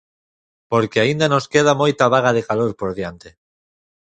Porque aínda nos queda moita vaga de calor por diante.